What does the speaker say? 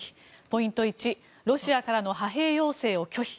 ポイント１ロシアからの派兵要請を拒否。